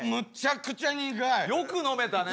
よく飲めたね。